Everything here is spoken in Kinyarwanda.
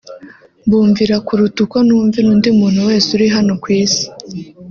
mbumvira kuruta uko numvira undi muntu wese uri hano ku isi